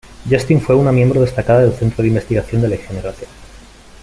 Justin fue una miembro destacada del Centro de Investigación de la Higiene Racial.